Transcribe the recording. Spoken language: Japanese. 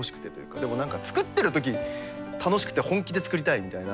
でも何か作ってる時楽しくて本気で作りたいみたいな。